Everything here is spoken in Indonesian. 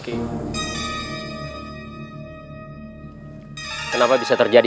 tidak ada yang bisa dipercayai